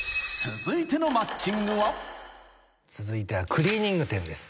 続いてはクリーニング店です。